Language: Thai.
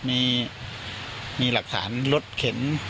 มีหลักฐานรถเข็น